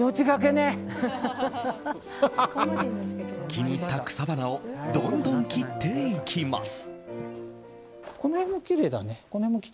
気に入った草花をどんどん切っていきます。